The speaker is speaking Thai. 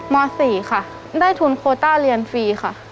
ม๔ค่ะได้ทุนโคต้าเรียนฟรีค่ะ